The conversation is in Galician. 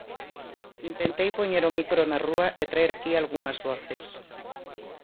Intentei poñer o micro na rúa e traer aquí algunhas voces.